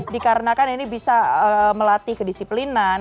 dikarenakan ini bisa melatih kedisiplinan